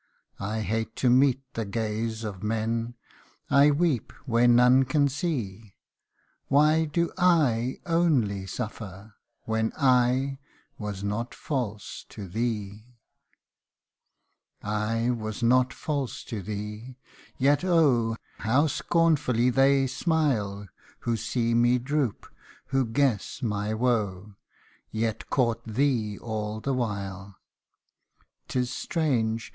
I hate to meet the gaze of men, I weep where none can see ; Why do / only suffer, when / was not false to thee ? 208 I WAS NOT FALSE TO THEE. I was not false to thee ; yet oh ! How scornfully they smile, Who see me droop, who guess my woe, Yet court thee all the while. 'Tis strange